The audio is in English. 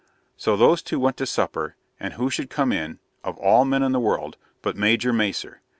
So those two went to supper, and who should come in, of all men in the world, but Major Macer?